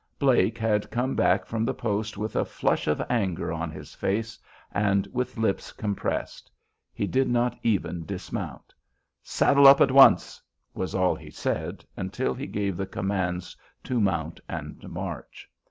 Blake had come back from the post with a flush of anger on his face and with lips compressed. He did not even dismount. "Saddle up at once" was all he said until he gave the commands to mount and march.